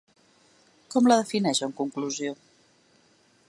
Com la defineix en conclusió?